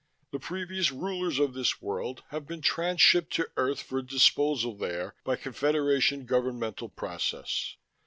The previous "rulers" of this world have been transshipped to Earth for disposal there by Confederation governmental process.